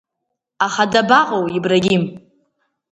Аха дабаҟоу Ибрагим!